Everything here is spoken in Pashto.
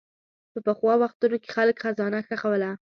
په پخوا وختونو کې خلک خزانه ښخوله.